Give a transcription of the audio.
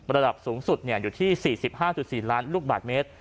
ระดับสูงสุดอยู่ที่๔๕๔ล้านลูกบาทเมตร